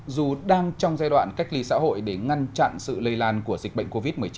dù đang trong giai đoạn cách ly xã hội để ngăn chặn sự lây lan của dịch bệnh covid một mươi chín